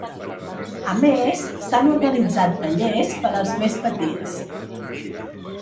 A més, s’han organitzat tallers per als més petits.